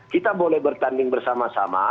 kita boleh bertanding bersama sama